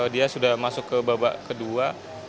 dia sudah masuk ke babak kedua